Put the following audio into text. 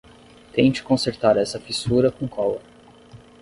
Tente consertar essa fissura com cola.